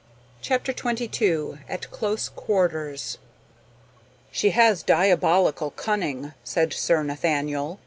CHAPTER XXII AT CLOSE QUARTERS "She has diabolical cunning," said Sir Nathaniel.